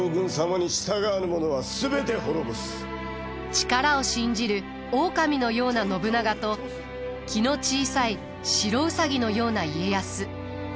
力を信じる狼のような信長と気の小さい白兎のような家康。